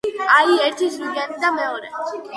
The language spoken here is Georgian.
აი, ერთი ზვიგენი და მეორე.